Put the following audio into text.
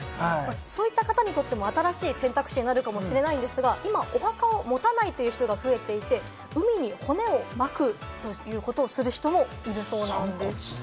そういった方に新しい選択肢になるかもしれないんですが、今、お墓を持たないという人が増えていて、海に骨を撒く人もいるそうなんです。